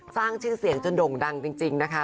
สร้างชื่อเสียงจนโด่งดังจริงนะคะ